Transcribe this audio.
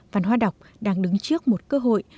văn hóa đọc đang đứng trước một cơ hội